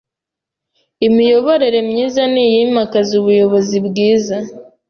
Imiyoborere myiza ni iyimakaza ubuyobozi bwiza